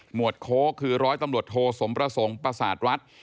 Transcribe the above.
หมวดโค๊กคือ๑๐๐ตำรวจโทสมประสงค์ปศาสตร์วัด